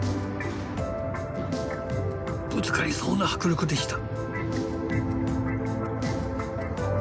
ぶつかりそうな迫力でした。